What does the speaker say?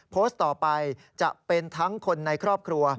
โพสต์ต่อไปจะเป็นทั้งคนในครอบครัว